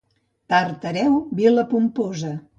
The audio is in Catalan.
Tartareu, vila pomposa.